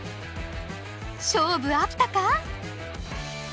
勝負あったか？